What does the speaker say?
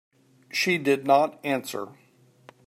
She did not answer.